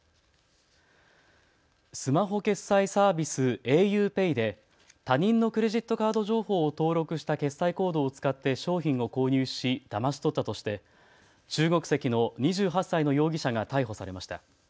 スマホ決済サービス、ａｕＰＡＹで他人のクレジットカード情報を登録した決済コードを使って商品を購入しだまし取ったとして中国籍の２８歳の容疑者が逮捕されました。